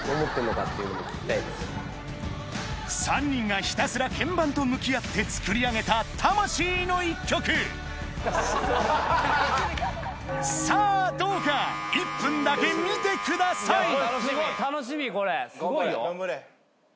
３人がひたすら鍵盤と向き合って作り上げた魂の１曲さぁどうか１分だけ見てください